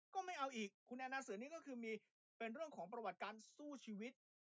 ก็ไม่เอาอีกคุณแอนนาเสือนี่ก็คือมีเป็นเรื่องของประวัติการสู้ชีวิต